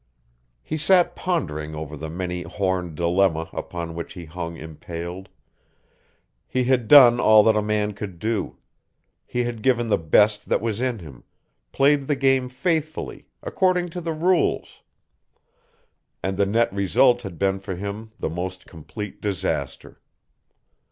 He sat pondering over the many horned dilemma upon which he hung impaled. He had done all that a man could do. He had given the best that was in him, played the game faithfully, according to the rules. And the net result had been for him the most complete disaster.